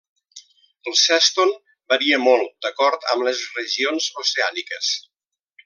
El sèston varia molt d'acord amb les regions oceàniques.